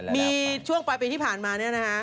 มีช่วงปลายปีที่ผ่านมาเนี่ยนะฮะ